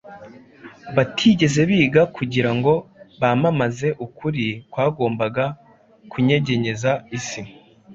batigeze biga kugira ngo bamamaze ukuri kwagombaga kunyegenyeza isi.